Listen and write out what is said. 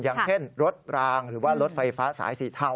อย่างเช่นรถรางหรือว่ารถไฟฟ้าสายสีเทา